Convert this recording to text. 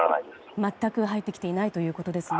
全く入ってきていないということですね。